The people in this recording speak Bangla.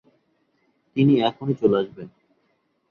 তিনি এখনি চলে আসবে।